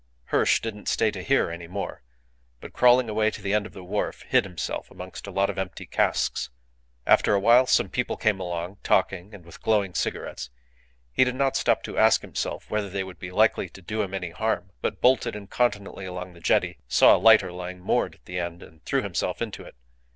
Hirsch didn't stay to hear any more, but crawling away to the end of the wharf, hid himself amongst a lot of empty casks. After a while some people came along, talking, and with glowing cigarettes. He did not stop to ask himself whether they would be likely to do him any harm, but bolted incontinently along the jetty, saw a lighter lying moored at the end, and threw himself into it.